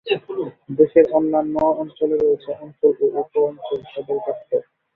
দেশের অন্যান্য অঞ্চলে রয়েছে অঞ্চল এবং উপ-অঞ্চল সদর দফতর।